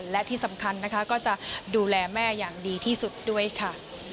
และที่สำคัญนะคะก็จะดูแลแม่อย่างดีที่สุดด้วยค่ะ